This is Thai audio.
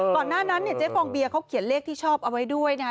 ก่อนหน้านั้นเนี่ยเจ๊ฟองเบียร์เขาเขียนเลขที่ชอบเอาไว้ด้วยนะ